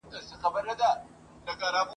موږ به خپل دردونه چیري چاته ژاړو ..